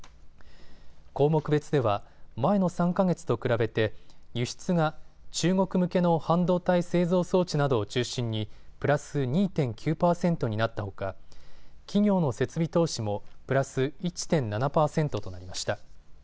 項目別では、前の３か月と比べて輸出が中国向けの半導体製造装置などを中心にプラス２．９％になったほか企業の設備投資もプラス１．７％となりました。